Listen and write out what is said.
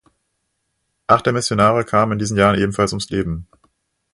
Acht der Missionare kamen in diesen Jahren ebenfalls ums Leben.